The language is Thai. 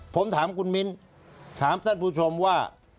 ผมถามคุณมิ้นถามท่านผู้ชมว่า